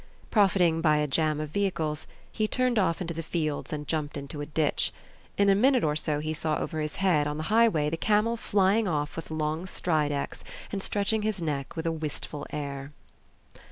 Profiting by a jam of vehicles, he turned off into the fields and jumped into a ditch. In a minute or so he saw over his head on the highway the camel flying off with long strides and stretching his neck with a wistful air.